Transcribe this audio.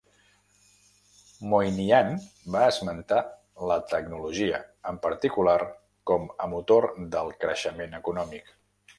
Moynihan va esmentar la tecnologia, en particular, com a motor del creixement econòmic.